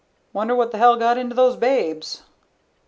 "Wonder what the hell got into those babes?"